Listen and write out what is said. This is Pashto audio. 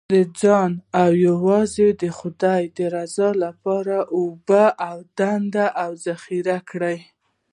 د ځان او یوازې د خدای د رضا لپاره اوبه ډنډ او ذخیره کړئ.